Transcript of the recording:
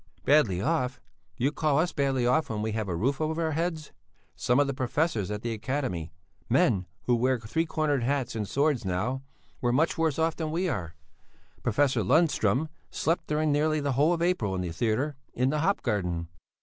"Badly off? Do you call us badly off when we have a roof over our heads? Some of the professors at the Academy, men who wear three cornered hats and swords now, were much worse off than we are. Professor Lundström slept during nearly the whole of April in the theatre in the Hop garden.